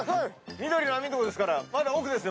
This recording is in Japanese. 緑の網のとこですからまだ奥ですよ。